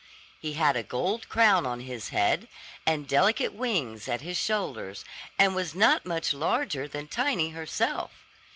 He had a gold crown on his head, and delicate wings at his shoulders, and was not much larger than Tiny herself.